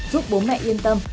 giúp bố mẹ yên tâm